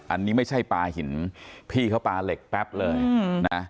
อันนี้ไม่ใช่ปลาหินพี่เขาปลาเหล็กแป๊บเลยนะ